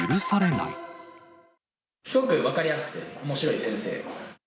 すごく分かりやすくておもしろい先生。